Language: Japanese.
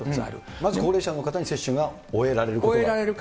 まず高齢者の方に接種が終えられるか。